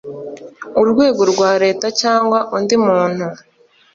urwego rwa leta cyangwa undi muntu